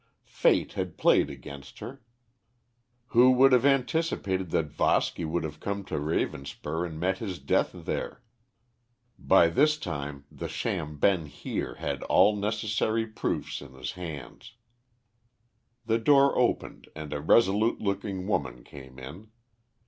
Fate had played against her. Who could have anticipated that Voski would have come to Ravenspur and met his death there! By this time the sham Ben Heer had all necessary proofs in his hands. The door opened and a resolute looking woman came in.